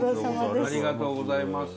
ありがとうございます。